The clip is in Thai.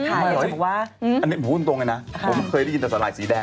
พี่หนูพอกเนอะเอามะนี่งานกันอีกแล้ว